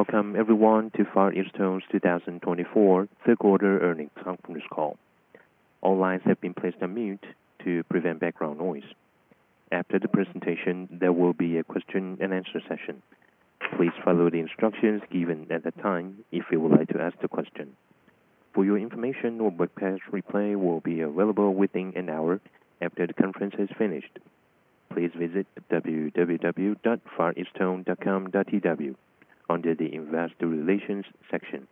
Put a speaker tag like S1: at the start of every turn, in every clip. S1: Welcome everyone, to Far EasTone's 2024 Q3 earnings conference call. All lines have been placed on mute to prevent background noise. After the presentation, there will be a question-and-answer session. Please follow the instructions given at that time if you would like to ask a question. For your information, your webcast replay will be available within an hour after the conference has finished. Please visit www.fareastone.com.tw under the investor relations section.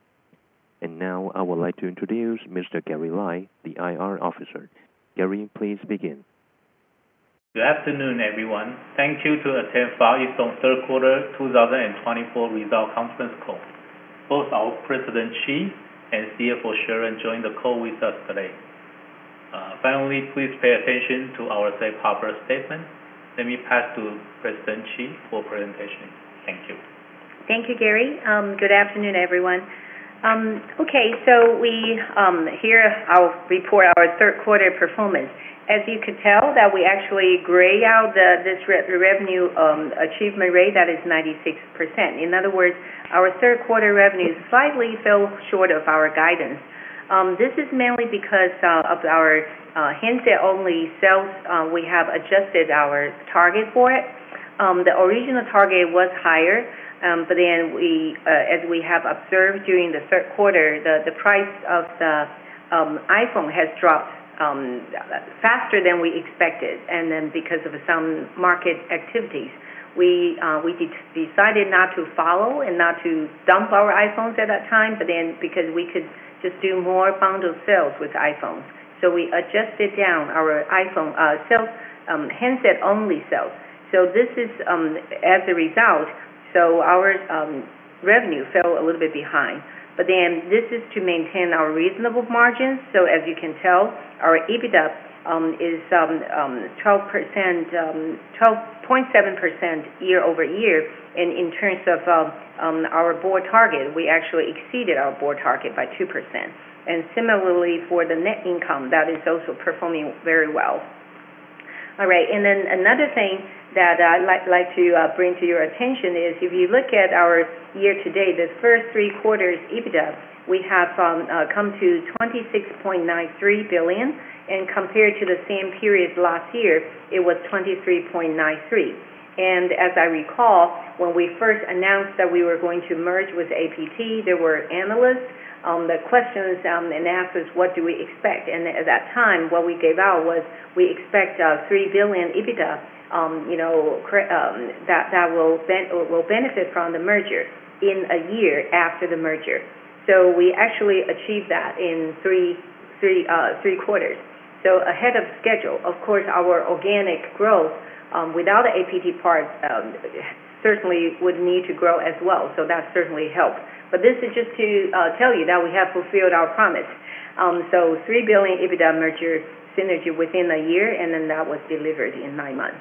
S1: Now, I would like to introduce Mr. Gary Lai, the IR Officer. Gary, please begin
S2: Good afternoon, everyone. Thank you to attend Far EasTone Q3 2024 results conference call. Both our President, Chee, and CFO, Sharon, joined the call with us today. Finally, please pay attention to our Safe Harbor statement. Let me pass to President Chee for presentation. Thank you.
S3: Thank you, Gary. Good afternoon, everyone. Okay, so here I'll report our Q3 performance. As you could tell, we actually grayed out this revenue achievement rate. That is 96%. In other words, our Q3 revenue slightly fell short of our guidance. This is mainly because of our handset-only sales. We have adjusted our target for it. The original target was higher, but then as we have observed during the Q3, the price of the iPhone has dropped faster than we expected, and then because of some market activities, we decided not to follow and not to dump our iPhones at that time, but then because we could just do more bundled sales with iPhones, so we adjusted down our handset-only sales, so this is as a result our revenue fell a little bit behind, but then this is to maintain our reasonable margins. As you can tell, our EBITDA is 12.7% year over year. And in terms of our board target, we actually exceeded our board target by 2%. And similarly, for the net income, that is also performing very well. All right. And then another thing that I'd like to bring to your attention is if you look at our year-to-date, the first three quarters EBITDA, we have come to 26.93 billion. And compared to the same period last year, it was 23.93 billion. And as I recall, when we first announced that we were going to merge with APT, there were analysts on the questions and asked us, "What do we expect?" And at that time, what we gave out was, "We expect 3 billion EBITDA that will benefit from the merger in a year after the merger." So we actually achieved that in three quarters. Ahead of schedule, of course, our organic growth without the APT part certainly would need to grow as well. That certainly helped. This is just to tell you that we have fulfilled our promise. 3 billion EBITDA merger synergy within a year, and that was delivered in nine months.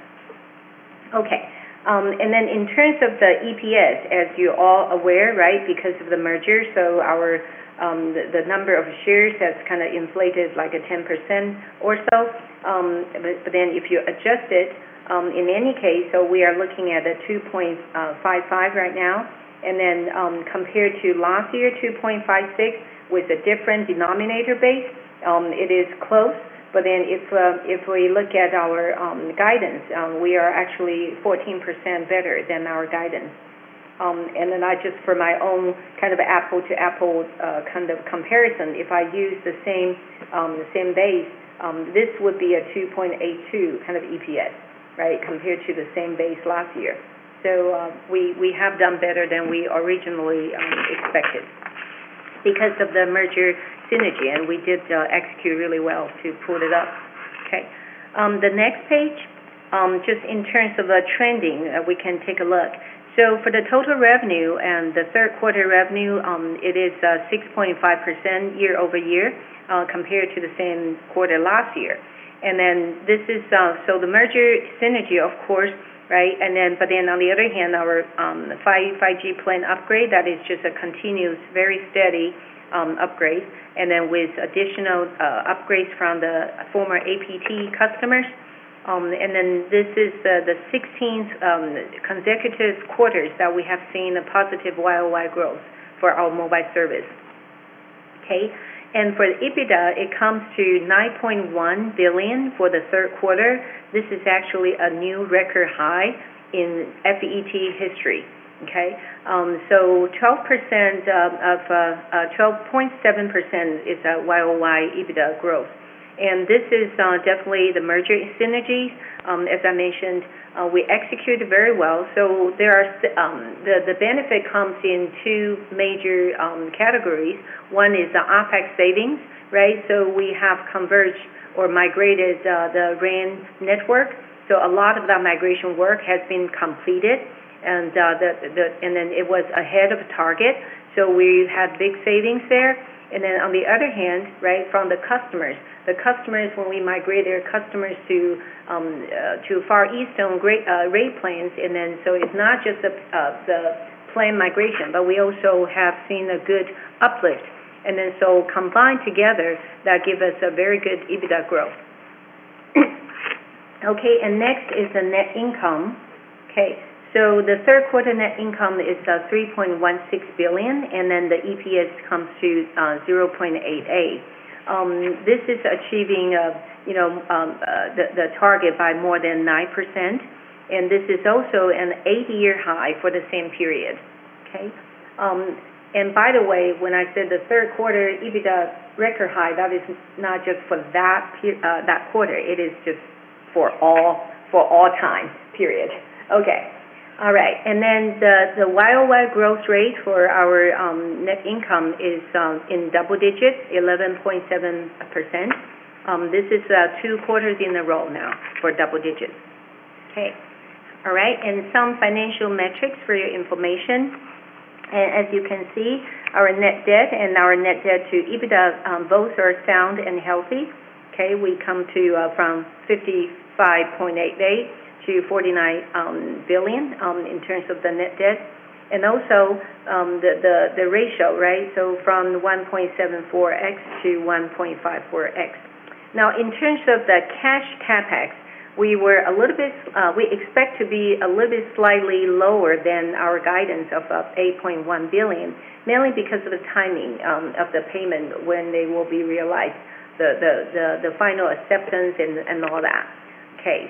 S3: Okay. In terms of the EPS, as you're all aware, right, because of the merger, the number of shares has kind of inflated like 10% or so. If you adjust it, in any case, we are looking at a 2.55 right now. Compared to last year, 2.56 with a different denominator base, it is close. If we look at our guidance, we are actually 14% better than our guidance. Then just for my own kind of apple-to-apple kind of comparison, if I use the same base, this would be a 2.82 kind of EPS, right, compared to the same base last year. So we have done better than we originally expected because of the merger synergy, and we did execute really well to pull it up. Okay. The next page, just in terms of the trending, we can take a look. So for the total revenue and the Q3 revenue, it is 6.5% year over year compared to the same quarter last year. And then this is so the merger synergy, of course, right? But then on the other hand, our 5G plan upgrade, that is just a continuous, very steady upgrade. And then with additional upgrades from the former APT customers. And then this is the 16th consecutive quarters that we have seen a positive YOY growth for our mobile service. Okay. And for the EBITDA, it comes to 9.1 billion for the Q3. This is actually a new record high in FET history. Okay. So 12.7% is YOY EBITDA growth. And this is definitely the merger synergy. As I mentioned, we executed very well. So the benefit comes in two major categories. One is the OPEX savings, right? So we have converged or migrated the RAN network. So a lot of that migration work has been completed. And then it was ahead of target. So we had big savings there. And then on the other hand, right, from the customers, the customers, when we migrate their customers to Far EasTone rate plans, and then so it's not just the plan migration, but we also have seen a good uplift. And then, so combined together, that gives us a very good EBITDA growth. Okay. And next is the net income. Okay. So the Q3 net income is 3.16 billion. And then the EPS comes to 0.88. This is achieving the target by more than 9%. And this is also an eight-year high for the same period. Okay. And by the way, when I said the Q3 EBITDA record high, that is not just for that quarter. It is just for all time, period. Okay. All right. And then the YOY growth rate for our net income is in double digits, 11.7%. This is two quarters in a row now for double digits. Okay. All right. And some financial metrics for your information. And as you can see, our net debt and our net debt to EBITDA, both are sound and healthy. Okay. We come from 55.88 billion to 49 billion in terms of the net debt. And also the ratio, right? So from 1.74x to 1.54x. Now, in terms of the cash CapEx, we expect to be a little bit slightly lower than our guidance of 8.1 billion, mainly because of the timing of the payment when they will be realized, the final acceptance and all that. Okay.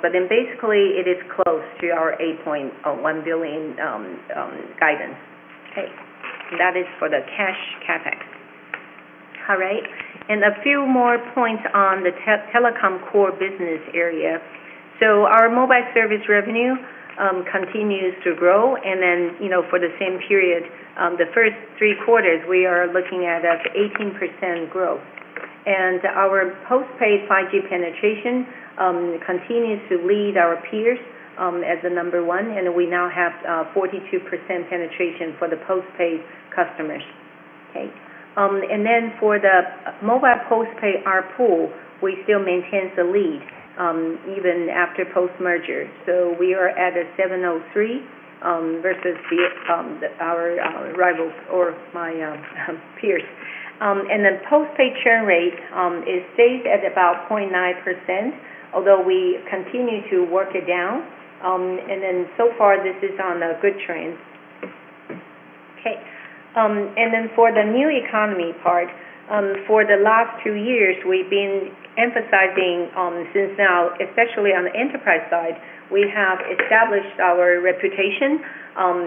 S3: But then basically, it is close to our 8.1 billion guidance. Okay. That is for the cash CapEx. All right. And a few more points on the telecom core business area. So our mobile service revenue continues to grow. And then for the same period, the first three quarters, we are looking at 18% growth. And our postpaid 5G penetration continues to lead our peers as the number one. And we now have 42% penetration for the postpaid customers. Okay. And then for the mobile postpaid ARPU pool, we still maintain the lead even after post-merger. So we are at a 703 versus our rivals or my peers. And then postpaid churn rate is stayed at about 0.9%, although we continue to work it down. And then so far, this is on a good track. Okay. And then for the new economy part, for the last two years, we've been emphasizing since now, especially on the enterprise side, we have established our reputation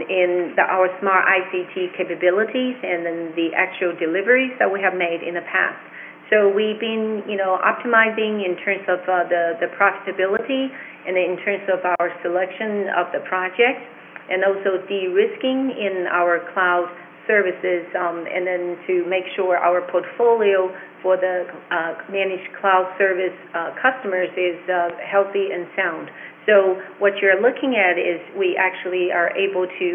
S3: in our smart ICT capabilities and then the actual deliveries that we have made in the past. So we've been optimizing in terms of the profitability and in terms of our selection of the project and also de-risking in our cloud services. And then to make sure our portfolio for the managed cloud service customers is healthy and sound. So what you're looking at is we actually are able to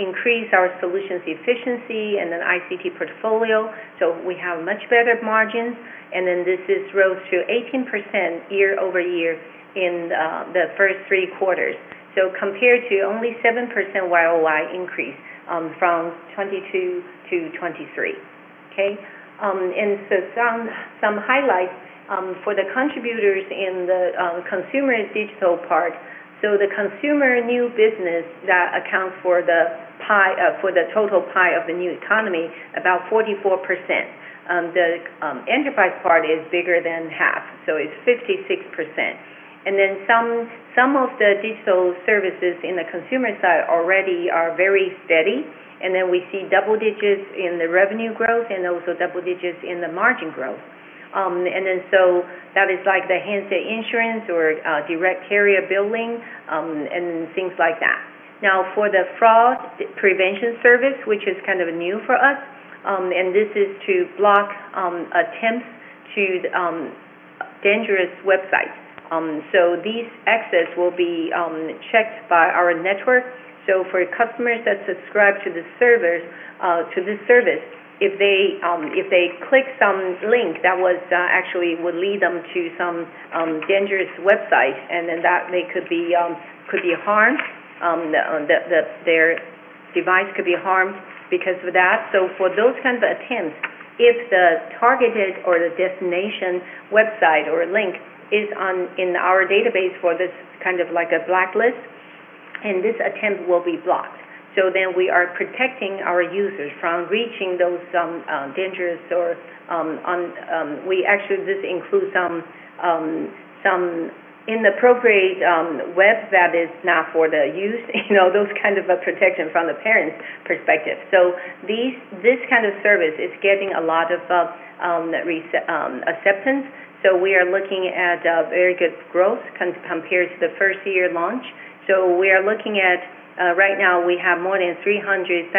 S3: increase our solutions efficiency and then ICT portfolio. So we have much better margins. And then this rose to 18% year over year in the first three quarters. So compared to only 7% YOY increase from 2022 to 2023. Okay. And so some highlights for the contributors in the consumer digital part. So the consumer new business that accounts for the total pie of the new economy, about 44%. The enterprise part is bigger than half. So it's 56%. And then some of the digital services in the consumer side already are very steady. And then we see double digits in the revenue growth and also double digits in the margin growth. And then so that is like the handset insurance or direct carrier billing and things like that. Now, for the fraud prevention service, which is kind of new for us, and this is to block attempts to dangerous websites, so these access will be checked by our network. For customers that subscribe to this service, if they click some link that actually would lead them to some dangerous website, and then that could be harmed. Their device could be harmed because of that. For those kinds of attempts, if the targeted or the destination website or link is in our database for this kind of like a blacklist, and this attempt will be blocked. Then we are protecting our users from reaching those dangerous or we actually this includes some inappropriate web that is not for the use, those kinds of protection from the parents' perspective. This kind of service is getting a lot of acceptance. We are looking at very good growth compared to the first year launch. Right now, we have more than 300,000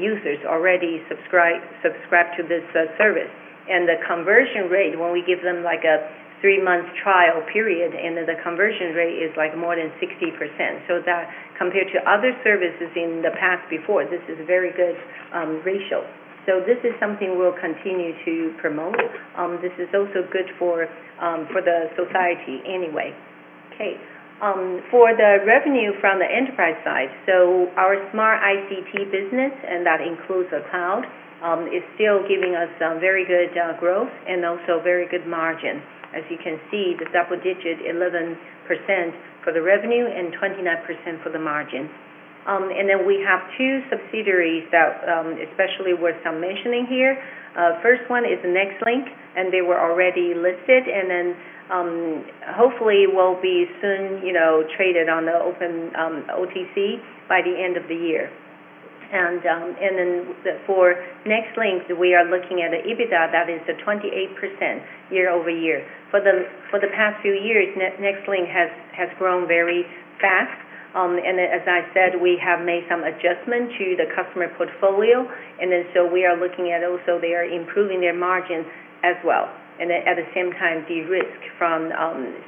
S3: users already subscribed to this service. The conversion rate, when we give them like a three-month trial period, and then the conversion rate is like more than 60%. Compared to other services in the past before, this is a very good ratio. This is something we'll continue to promote. This is also good for the society anyway. Okay. For the revenue from the enterprise side, so our Smart ICT business, and that includes the cloud, is still giving us very good growth and also very good margins. As you can see, the double-digit 11% for the revenue and 29% for the margins. We have two subsidiaries that especially worth mentioning here. First one is NextLink, and they were already listed. And then hopefully, we'll be soon traded on the open OTC by the end of the year. And then for NextLink, we are looking at an EBITDA that is 28% year over year. For the past few years, NextLink has grown very fast. And as I said, we have made some adjustment to the customer portfolio. And then so we are looking at also they are improving their margins as well. And at the same time, de-risk from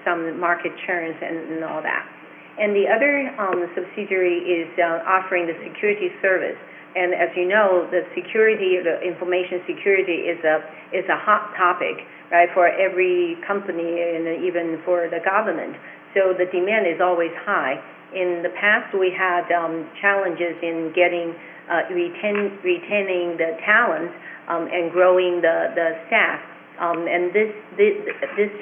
S3: some market churns and all that. And the other subsidiary is offering the security service. And as you know, the information security is a hot topic, right, for every company and even for the government. So the demand is always high. In the past, we had challenges in retaining the talent and growing the staff. And this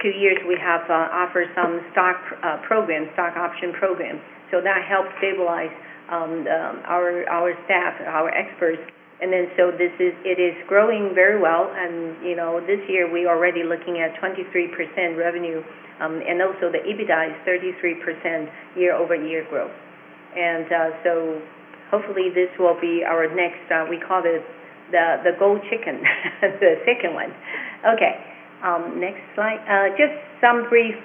S3: two years, we have offered some stock programs, stock option programs. So that helped stabilize our staff, our experts. And then so it is growing very well. And this year, we are already looking at 23% revenue. And also the EBITDA is 33% year over year growth. And so hopefully, this will be our next we call it the gold chicken, the second one. Okay. Next slide. Just some brief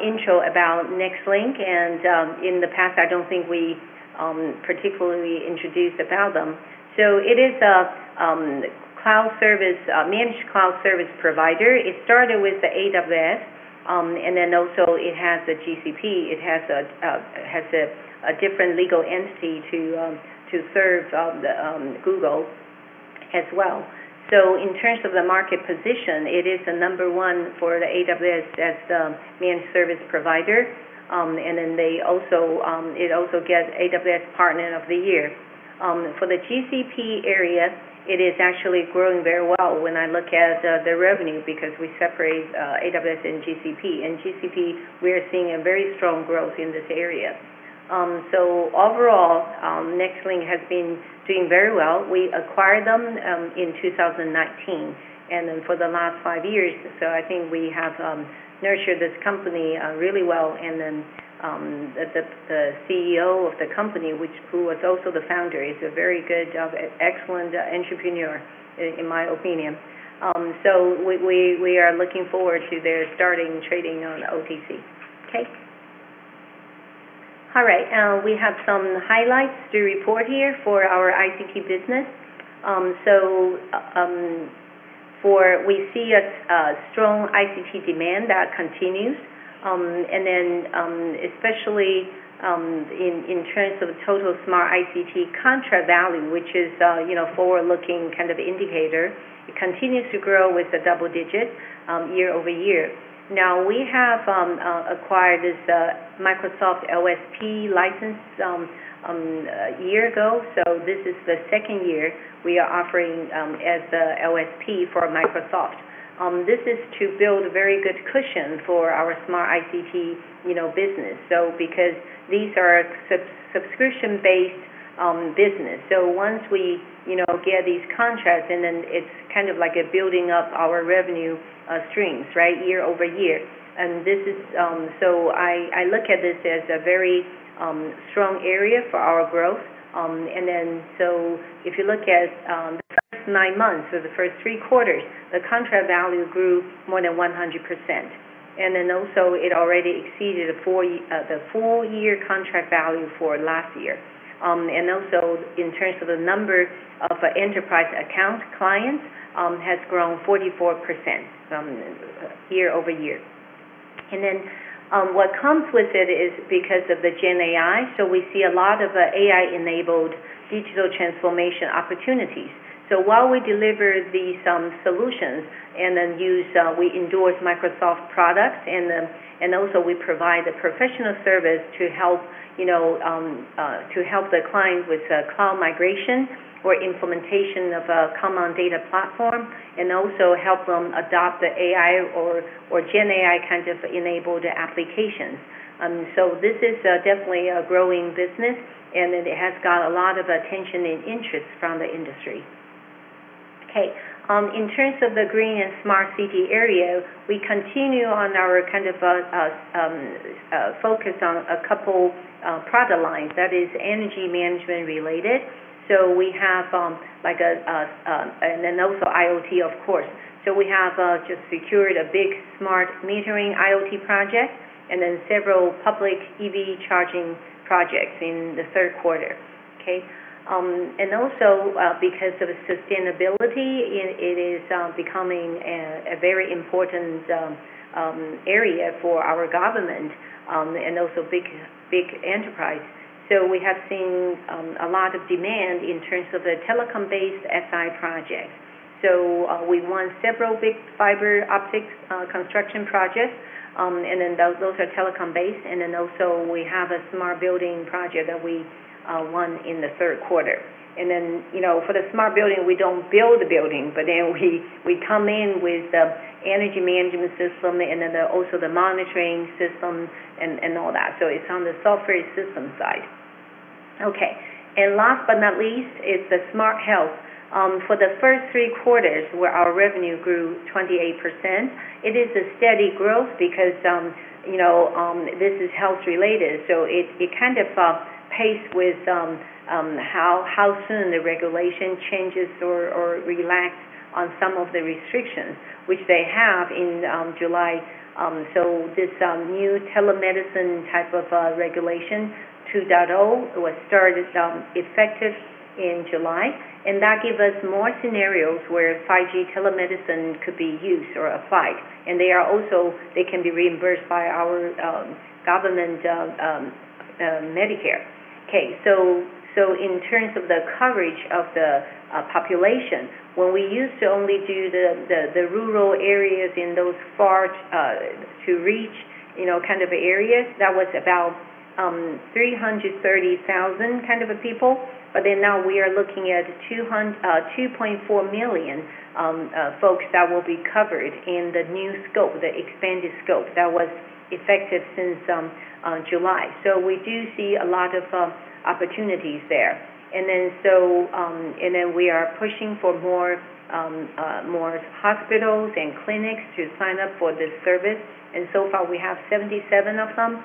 S3: intro about NextLink. And in the past, I don't think we particularly introduced about them. So it is a managed cloud service provider. It started with the AWS, and then also it has the GCP. It has a different legal entity to serve Google as well. So in terms of the market position, it is the number one for the AWS as the managed service provider. And then it also gets AWS Partner of the Year. For the GCP area, it is actually growing very well when I look at the revenue because we separate AWS and GCP, and GCP, we are seeing a very strong growth in this area, so overall, NextLink has been doing very well. We acquired them in 2019, and then for the last five years, so I think we have nurtured this company really well, and then the CEO of the company, who was also the founder, is a very good, excellent entrepreneur, in my opinion, so we are looking forward to their starting trading on OTC. Okay. All right. We have some highlights to report here for our ICT business, so we see a strong ICT demand that continues, and then especially in terms of total Smart ICT contract value, which is a forward-looking kind of indicator, it continues to grow with a double-digit year-over-year. Now, we have acquired this Microsoft OSP license a year ago. So this is the second year we are offering as the OSP for Microsoft. This is to build a very good cushion for our Smart ICT business because these are subscription-based business. So once we get these contracts, and then it's kind of like building up our revenue streams, right, year over year. And then so if you look at the first nine months or the first three quarters, the contract value grew more than 100%. And then also it already exceeded the full year contract value for last year. And also in terms of the number of enterprise account clients has grown 44% year over year. And then what comes with it is because of the GenAI. So we see a lot of AI-enabled digital transformation opportunities. So while we deliver these solutions and then we endorse Microsoft products, and also we provide a professional service to help the client with cloud migration or implementation of a common data platform and also help them adopt the AI or GenAI kind of enabled applications. So this is definitely a growing business, and it has got a lot of attention and interest from the industry. Okay. In terms of the green and smart city area, we continue on our kind of focus on a couple product lines that is energy management related. So we have like and also IoT, of course. So we have just secured a big smart metering IoT project and then several public EV charging projects in the Q3. Okay. And also because of sustainability, it is becoming a very important area for our government and also big enterprise. So we have seen a lot of demand in terms of the telecom-based SI projects. So we won several big fiber optics construction projects, and then those are telecom-based. And then also we have a smart building project that we won in the Q3. And then for the smart building, we don't build the building, but then we come in with the energy management system and then also the monitoring system and all that. So it's on the software system side. Okay. And last but not least is the smart health. For the first three quarters, our revenue grew 28%. It is a steady growth because this is health-related. So it kind of paced with how soon the regulation changes or relax on some of the restrictions, which they have in July. So this new telemedicine type of regulation, 2.0, was started effective in July. And that gives us more scenarios where 5G telemedicine could be used or applied. And they can be reimbursed by our government Medicare. Okay. So in terms of the coverage of the population, when we used to only do the rural areas in those far to reach kind of areas, that was about 330,000 kind of people. But then now we are looking at 2.4 million folks that will be covered in the new scope, the expanded scope that was effective since July. So we do see a lot of opportunities there. And then we are pushing for more hospitals and clinics to sign up for this service. And so far, we have 77 of them.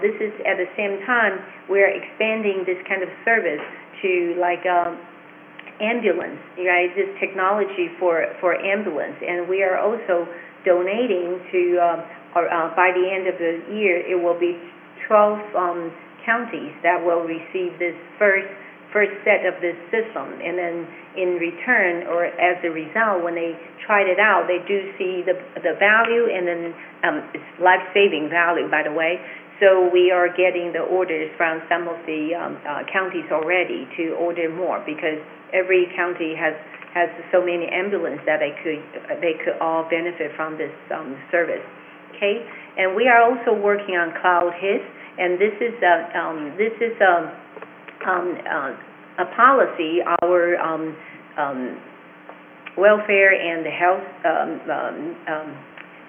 S3: This is at the same time we are expanding this kind of service to like ambulance, right, this technology for ambulance. And we are also donating to by the end of the year, it will be 12 counties that will receive this first set of this system. And then in return or as a result, when they tried it out, they do see the value and then it's life-saving value, by the way. So we are getting the orders from some of the counties already to order more because every county has so many ambulances that they could all benefit from this service. Okay. And we are also working on Cloud HIS. And this is a policy our welfare and health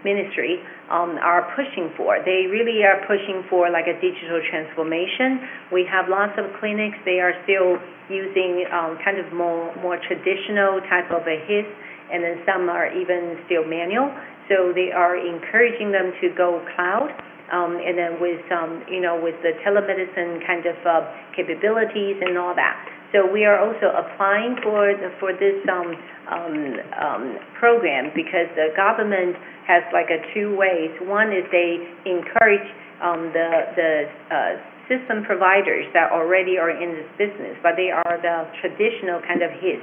S3: ministry are pushing for. They really are pushing for like a digital transformation. We have lots of clinics. They are still using kind of more traditional type of a HIS, and then some are even still manual, so they are encouraging them to go cloud and then with the telemedicine kind of capabilities and all that, so we are also applying for this program because the government has like two ways. One is they encourage the system providers that already are in this business, but they are the traditional kind of HIS.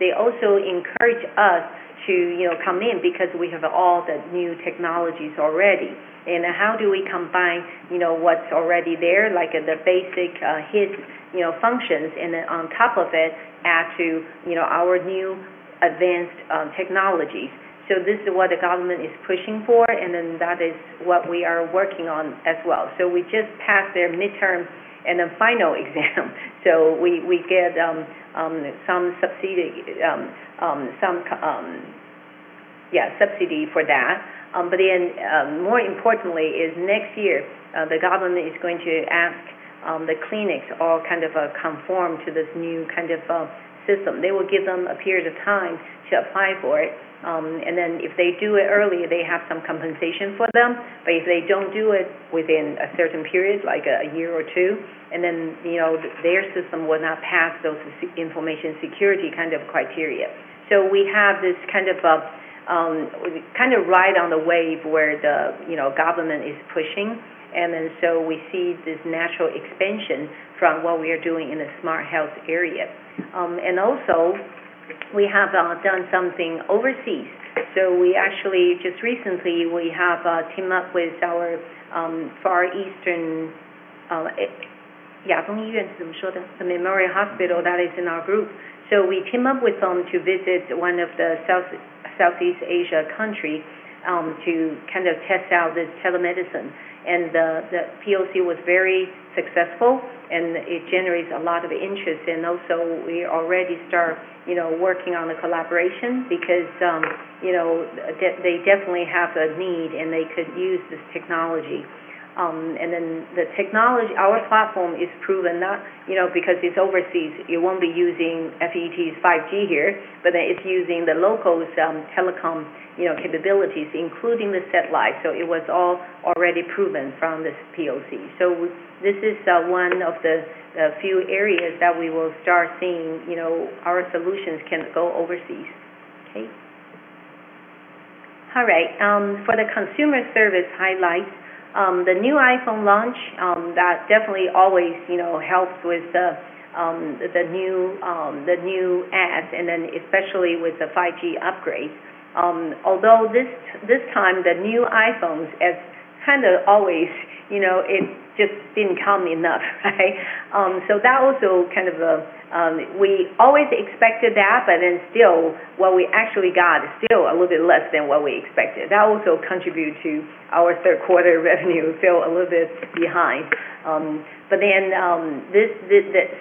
S3: They also encourage us to come in because we have all the new technologies already, and how do we combine what's already there, like the basic HIS functions, and then on top of it add to our new advanced technologies, so this is what the government is pushing for, and then that is what we are working on as well, so we just passed their midterm and then final exam. So we get some subsidy for that. But then more importantly, next year, the government is going to ask the clinics all kind of conform to this new kind of system. They will give them a period of time to apply for it. And then if they do it early, they have some compensation for them. But if they don't do it within a certain period, like a year or two, and then their system will not pass those information security kind of criteria. So we have this kind of ride on the wave where the government is pushing. And then so we see this natural expansion from what we are doing in the smart health area. And also we have done something overseas. So we actually just recently, we have teamed up with our Far Eastern Memorial Hospital that is in our group. So we teamed up with them to visit one of the Southeast Asia countries to kind of test out this telemedicine. And the POC was very successful, and it generates a lot of interest. And also we already start working on the collaboration because they definitely have a need, and they could use this technology. And then our platform is proven because it's overseas. You won't be using FET's 5G here, but it's using the local telecom capabilities, including the satellites. So it was all already proven from this POC. So this is one of the few areas that we will start seeing our solutions can go overseas. Okay. All right. For the consumer service highlights, the new iPhone launch, that definitely always helps with the new ads and then especially with the 5G upgrades. Although this time, the new iPhones, as kind of always, it just didn't come enough, right? So that also kind of we always expected that, but then still what we actually got is still a little bit less than what we expected. That also contributed to our Q3 revenue feel a little bit behind. But then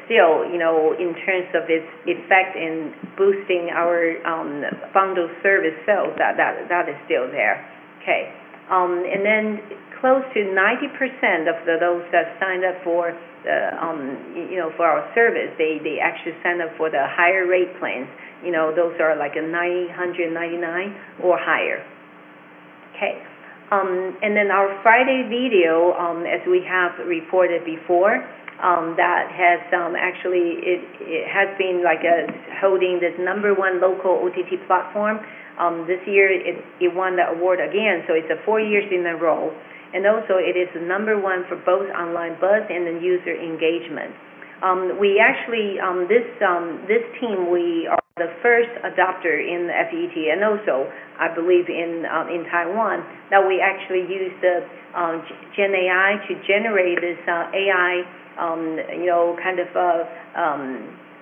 S3: still, in terms of its effect in boosting our bundled service sales, that is still there. Okay. And then close to 90% of those that signed up for our service, they actually signed up for the higher rate plans. Those are like 999 or higher. Okay. And then our friDay Video, as we have reported before, that has actually been holding the number one local OTT platform. This year, it won the award again. So it's a four-year scenario. And also it is the number one for both online buzz and then user engagement. This team, we are the first adopter in FET and also, I believe, in Taiwan. Now we actually use the GenAI to generate this AI kind of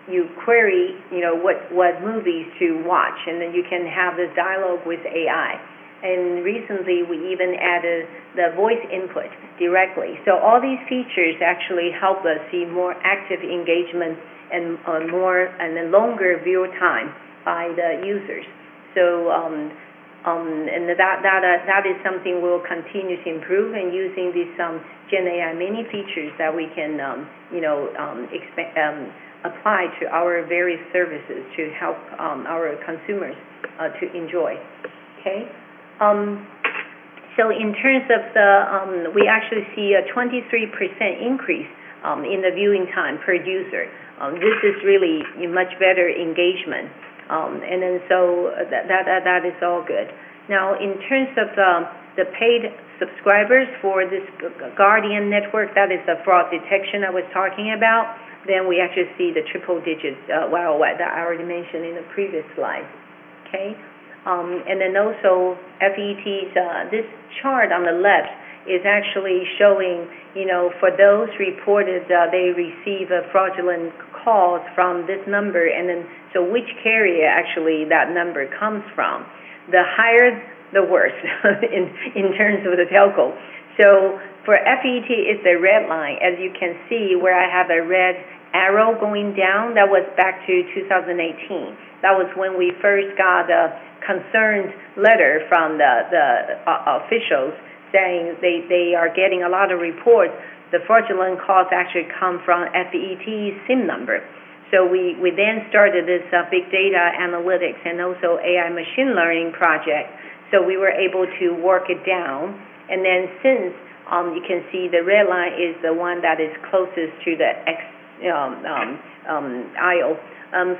S3: you query what movies to watch, and then you can have this dialogue with AI. And recently, we even added the voice input directly. So all these features actually help us see more active engagement and longer view time by the users. So that is something we'll continue to improve and using these GenAI mini features that we can apply to our various services to help our consumers to enjoy. Okay. So in terms of the we actually see a 23% increase in the viewing time per user. This is really much better engagement. And then so that is all good. Now in terms of the paid subscribers for this Guardian Network, that is the fraud detection I was talking about. Then we actually see the triple-digit growth that I already mentioned in the previous slide. Okay. And then also, FET's this chart on the left is actually showing for those reported they receive fraudulent calls from this number. And then so which carrier actually that number comes from? The higher, the worse in terms of the telco. So for FET, it's a red line, as you can see where I have a red arrow going down. That was back to 2018. That was when we first got a concerned letter from the officials saying they are getting a lot of reports. The fraudulent calls actually come from FET's SIM number. So we then started this Big Data analytics and also AI Machine Learning project. So we were able to work it down. And then since you can see the red line is the one that is closest to the ideal.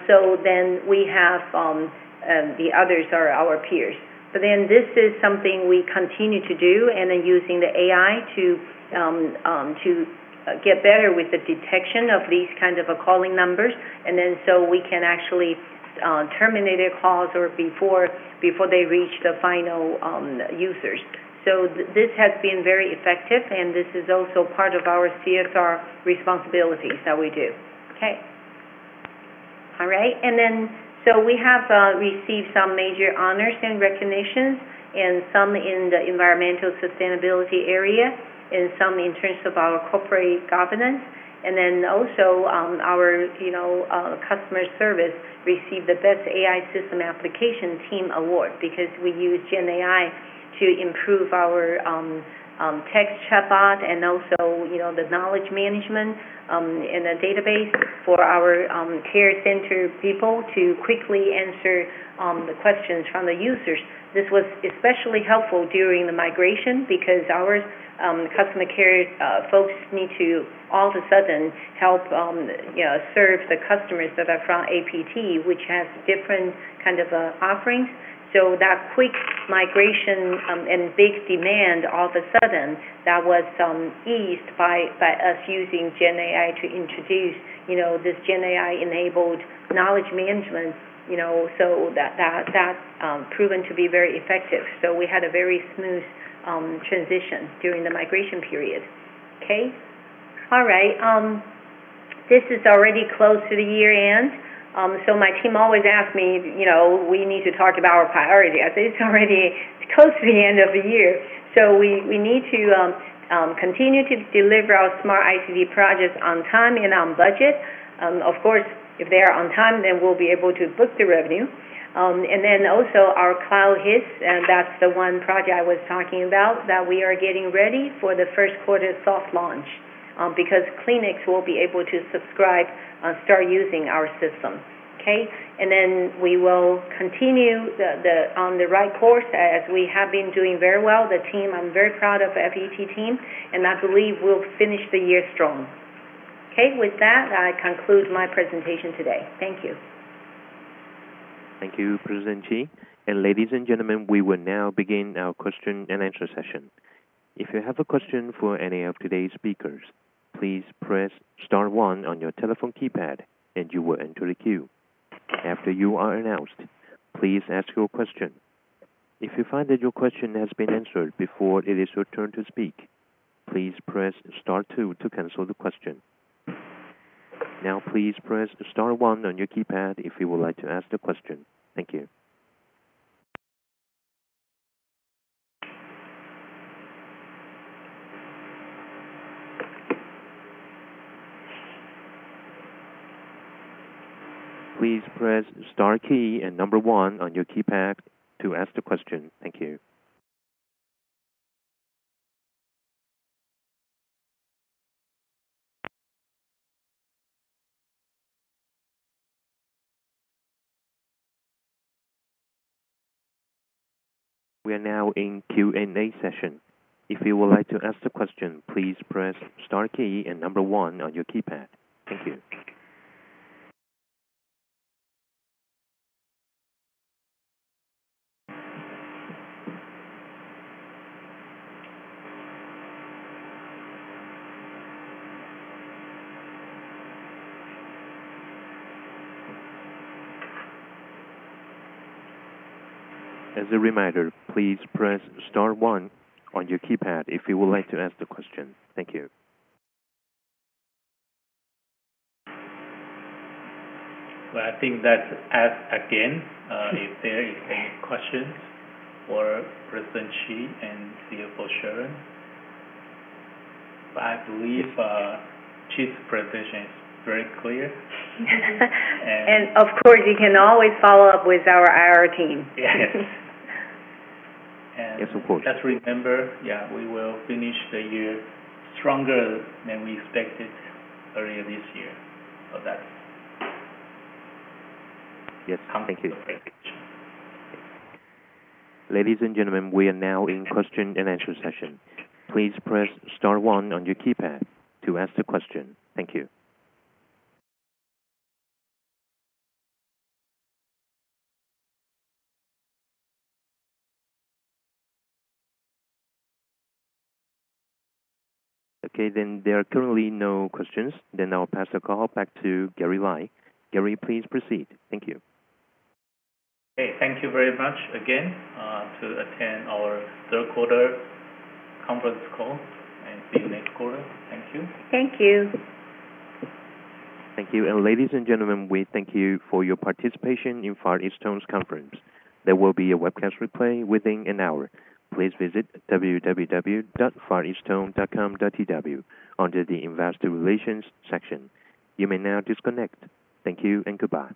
S3: So then we have the others are our peers. But then this is something we continue to do and then using the AI to get better with the detection of these kind of calling numbers. And then so we can actually terminate their calls before they reach the end users. So this has been very effective, and this is also part of our CSR responsibilities that we do. Okay. All right. And then so we have received some major honors and recognitions and some in the environmental sustainability area and some in terms of our corporate governance. Our customer service received the best AI system application team award because we use GenAI to improve our text chatbot and also the knowledge management in the database for our care center people to quickly answer the questions from the users. This was especially helpful during the migration because our customer care folks need to all of a sudden help serve the customers that are from APT, which has different kind of offerings. That quick migration and big demand all of a sudden, that was eased by us using GenAI to introduce this GenAI-enabled knowledge management. That proven to be very effective. We had a very smooth transition during the migration period. Okay. All right. This is already close to the year end. My team always asks me, "We need to talk about our priority." I say, "It's already close to the end of the year." We need to continue to deliver our smart ICT projects on time and on budget. Of course, if they are on time, then we'll be able to book the revenue. And then also our CloudHIS, that's the one project I was talking about that we are getting ready for the Q1 soft launch because clinics will be able to subscribe and start using our system. Okay. And then we will continue on the right course as we have been doing very well. The team, I'm very proud of FET team, and I believe we'll finish the year strong. Okay. With that, I conclude my presentation today. Thank you.
S1: Thank you, President Chee. Ladies and gentlemen, we will now begin our question and answer session. If you have a question for any of today's speakers, please press Star one on your telephone keypad, and you will enter the queue. After you are announced, please ask your question. If you find that your question has been answered before it is your turn to speak, please press star two to cancel the question. Now please press Star one on your keypad if you would like to ask the question. Thank you. Please press star Key and Number one on your keypad to ask the question. Thank you. We are now in Q&A session. If you would like to ask the question, please press Star Key and Number one on your keypad. Thank you. As a reminder, please press Star one on your keypad if you would like to ask the question. Thank you.
S2: Well, I think we've asked again if there are any questions for President Chee and CFO Sharon. But I believe Chee's presentation is very clear.
S3: And of course, you can always follow up with our IR team.
S1: [crosstalkYes, of course. Just remember, yeah, we will finish the year stronger than we expected earlier this year. Yes. Thank you. Ladies and gentlemen, we are now in question and answer session. Please press Star 1 on your keypad to ask the question. Thank you. Okay. Then there are currently no questions. Then I'll pass the call back to Gary Lai. Gary, please proceed. Thank you.
S2: Okay. Thank you very much again for attending our Q3 conference call and see you next quarter. Thank you.
S3: Thank you.
S1: Thank you. And ladies and gentlemen, we thank you for your participation in Far EasTone's conference. There will be a webcast replay within an hour. Please visit www.fareastone.com.tw under the Investor Relations section. You may now disconnect. Thank you and goodbye.